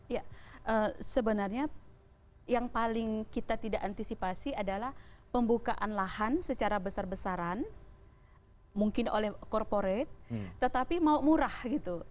ya sebenarnya yang paling kita tidak antisipasi adalah pembukaan lahan secara besar besaran mungkin oleh corporate tetapi mau murah gitu